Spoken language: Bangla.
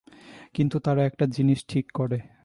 কিন্তু তারা একটা জিনিস ঠিক করে।